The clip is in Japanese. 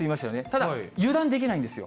ただ、油断できないんですよ。